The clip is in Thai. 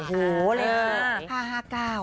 โอ้โหเลยเลย